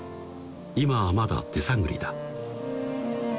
今はまだ手探りだ